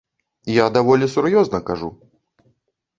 Я даволі сур'ёзна кажу.